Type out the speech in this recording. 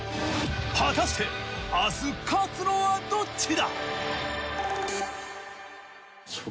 果たして明日勝つのはどっちだ？